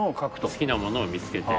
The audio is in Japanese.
好きなものを見つけて。